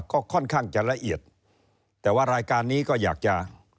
ก็ค่อนข้างจะละเอียดแต่ว่ารายการนี้ก็อยากจะ